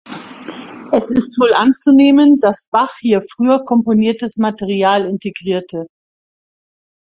Es ist wohl anzunehmen, dass Bach hier früher komponiertes Material integrierte.